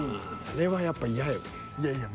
あれはやっぱ嫌よね。